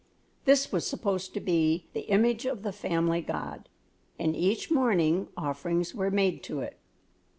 This was supposed to be the image of the family god, and each morning offerings were made to it.